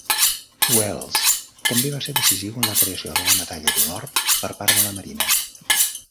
Welles també va ser decisiu en la creació de la Medalla d'Honor per part de la Marina.